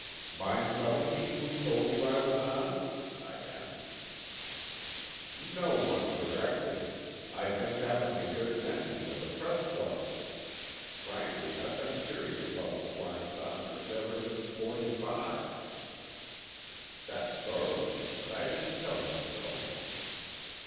"Mind telling me who told you I was on it?" I asked. "No one, directly. I just happened to hear it mentioned at the Press Club. Frankly, I've been curious about the flying saucers ever since '45." That startled me, but I didn't tell him so.